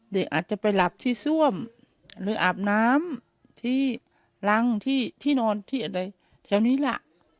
เด็กอาจจะไปหลับที่ซ่วมหรืออาบน้ำที่รังที่นอนที่อะไรแถวนี้ล่ะ